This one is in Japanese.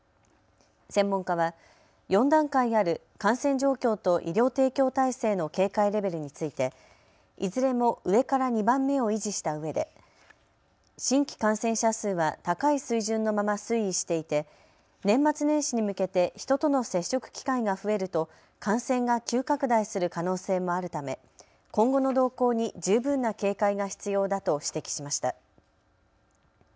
専門家は４段階ある感染状況と医療提供体制の警戒レベルについていずれも上から２番目を維持したうえで新規感染者数は高い水準のまま推移していて年末年始に向けて人との接触機会が増えると感染が急拡大する可能性もあるため今後の動向に十分な警戒が必要だと指摘しました。